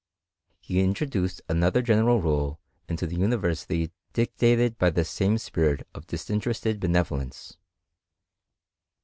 He introduced another general rule into the uni versity dictated by the same spirit of disinterested be nevolence.